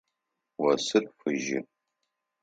Осыр фыжьы.